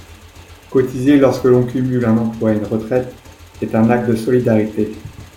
Cotiser lorsque l’on cumule un emploi et une retraite est un acte de solidarité.